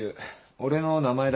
俺の名前だ。